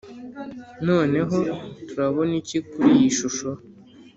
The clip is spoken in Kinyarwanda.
noneho turabona iki kuri iyi shusho?.